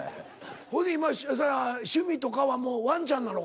ほいで今は趣味とかはもうワンちゃんなのか？